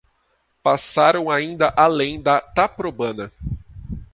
Passaram ainda além da Taprobana